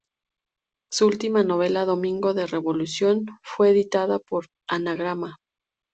Su última novela "Domingo de Revolución," fue editada por Anagrama.